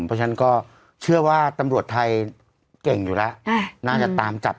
เพราะฉะนั้นก็เชื่อว่าตำรวจไทยเก่งอยู่แล้วน่าจะตามจับ